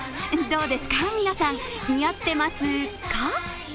どうですか、皆さん、似合ってますか？